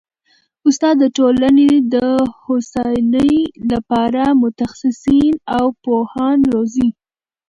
استاد د ټولني د هوسايني لپاره متخصصین او پوهان روزي.